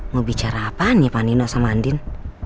mau bicara apaan ya pan nino sama andin